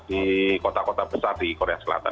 di kota kota besar di korea selatan